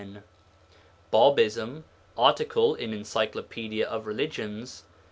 'Babism,' article in Encyclopaedia of Religions.